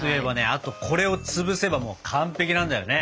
あとこれをつぶせばもう完璧なんだよね。